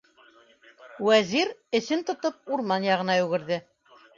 Вәзир, эсен тотоп, урман яғына йүгерҙе.